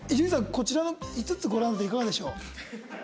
こちらの５つご覧になっていかがでしょう？